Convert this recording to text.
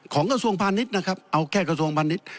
กระทรวงพาณิชย์นะครับเอาแค่กระทรวงพาณิชย์